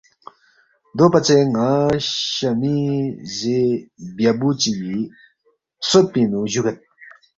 دوپژے ن٘انگ شہ مِہ زے بیابُو چِگی خسوب پِنگ نُو جُوگید